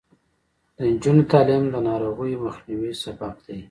د نجونو تعلیم د ناروغیو مخنیوي سبب دی.